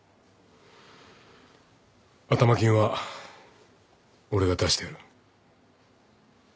頭金は俺が出してやる。